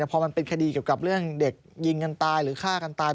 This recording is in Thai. พอมันเป็นคดีเกี่ยวกับเรื่องเด็กยิงกันตายหรือฆ่ากันตาย